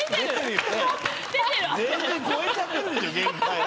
全然超えちゃってるでしょ限界。